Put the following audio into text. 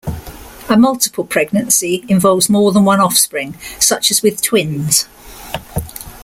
A multiple pregnancy involves more than one offspring, such as with twins.